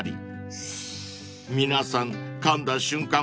［皆さんかんだ瞬間